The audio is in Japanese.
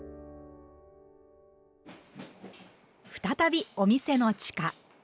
再びお店の地下。